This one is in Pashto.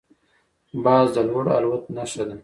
باز د لوړ الوت نښه ده